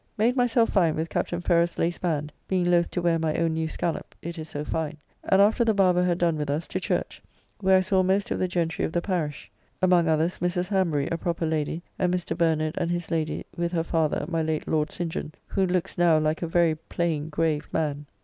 Made myself fine with Captain Ferrers's lace band, being lothe to wear my own new scallop, it is so fine; and, after the barber had done with us, to church, where I saw most of the gentry of the parish; among others, Mrs. Hanbury, a proper lady, and Mr. Bernard and his Lady, with her father, my late Lord St. John, who looks now like a very plain grave man.